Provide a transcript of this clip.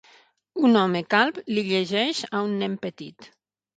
Un home calb li llegeix a un nen petit.